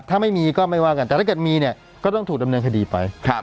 ถ้าไม่มีก็ไม่ว่ากันแต่ถ้าเกิดมีเนี่ยก็ต้องถูกดำเนินคดีไป